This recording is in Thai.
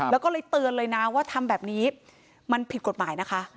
แล้วก็เลยเตือนเลยนะว่าทำแบบนี้มันผิดกฎหมายนะคะ